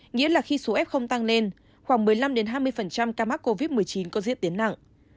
nghĩa là khi số f tăng lên khoảng một mươi năm hai mươi ca mắc covid một mươi chín có diễn tiến nặng